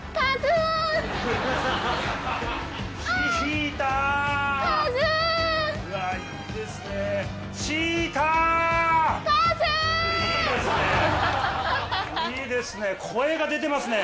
いいですね。